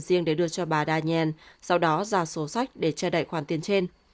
riêng để đưa cho bà daniel sau đó ra sổ sách để che đậy khoản tiền trên